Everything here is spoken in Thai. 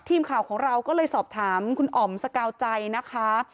ทีมข่าวของเราก็เลยสอบถามคุณอ๋อมสกาวใจนะคะ